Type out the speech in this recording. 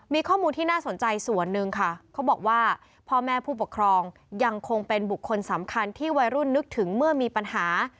มีข้อมูลที่น่าสนใจส่วนหนึ่งค่ะเขาบอกว่าพ่อแม่ผู้ปกครองยังคงเป็นบุคคลสำคัญที่วัยรุ่นนึกถึงเมื่อมีปัญหา